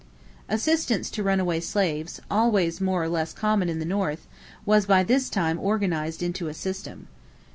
Assistance to runaway slaves, always more or less common in the North, was by this time organized into a system.